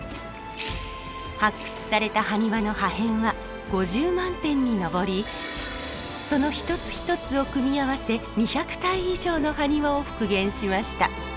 発掘されたハニワの破片は５０万点に上りその一つ一つを組み合わせ２００体以上のハニワを復元しました。